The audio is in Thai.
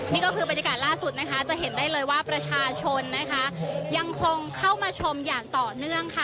นี่ก็คือบรรยากาศล่าสุดนะคะจะเห็นได้เลยว่าประชาชนนะคะยังคงเข้ามาชมอย่างต่อเนื่องค่ะ